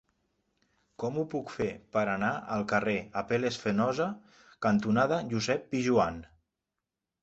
Com ho puc fer per anar al carrer Apel·les Fenosa cantonada Josep Pijoan?